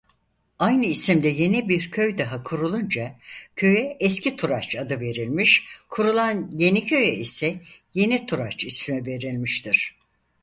Aynı isimde yeni bir köy daha kurulunca köye Eskituraç adı verilmiş kurulan yeni köye ise Yenituraç ismi verilmiştir.